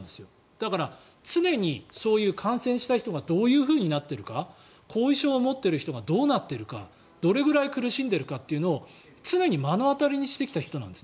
だから、常にそういう感染した人がどういうふうになっているか後遺症を持っている人がどうなっているかどれぐらい苦しんでいるかというのを常に目の当たりにしてきた人たちなんです。